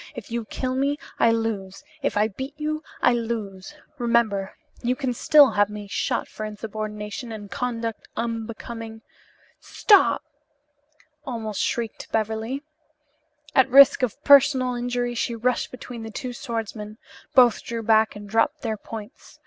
If you kill me I lose, if I beat you I lose. Remember, you can still have me shot for insubordination and conduct unbecoming " "Stop!" almost shrieked Beverly. At risk of personal injury she rushed between the two swordsmen. Both drew back and dropped their points.